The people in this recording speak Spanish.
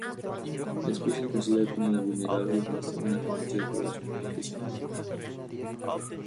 La especie se considera como vulnerable, y muestra una tendencia de población decreciente.